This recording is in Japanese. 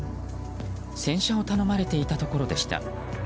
洗車を頼まれていたところでした。